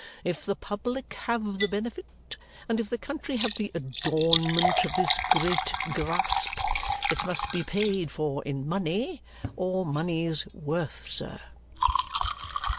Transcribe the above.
If the public have the benefit, and if the country have the adornment, of this great grasp, it must be paid for in money or money's worth, sir."